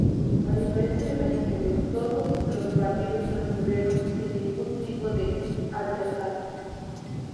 A diferencia del año anterior todos los partidos transcurrieron sin ningún tipo de altercado.